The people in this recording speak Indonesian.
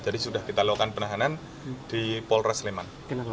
jadi sudah kita lakukan penahanan di polres sleman